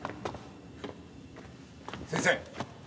先生！